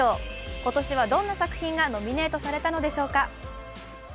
今年はどんな作品がノミネートされたのでしょうか。